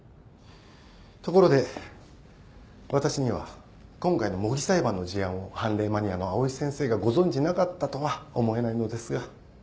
ところで私には今回の模擬裁判の事案を判例マニアの藍井先生がご存じなかったとは思えないのですが。